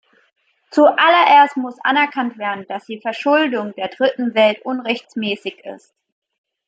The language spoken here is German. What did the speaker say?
Zuallererst muss anerkannt werden, dass die Verschuldung der Dritten Welt unrechtmäßig ist.